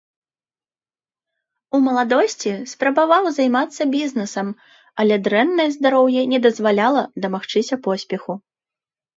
У маладосці спрабаваў займацца бізнесам, але дрэннае здароўе не дазваляла дамагчыся поспеху.